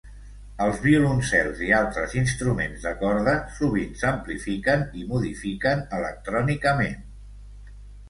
Els violoncels i altres instruments de corda sovint s'amplifiquen i modifiquen electrònicament.